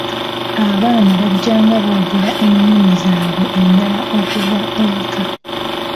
Abaana bajja nga boogera ennimi zaabwe endala okuva eka.